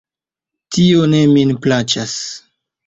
Tio ne min plaĉas.